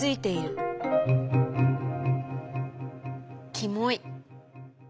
キモい。